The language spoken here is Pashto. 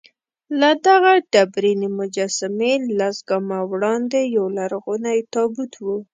له دغه ډبرینې مجسمې لس ګامه وړاندې یولرغونی تابوت و.